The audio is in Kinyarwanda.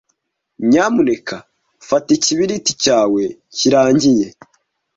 Nyamuneka fata ikibiriti cyawe kirangiye.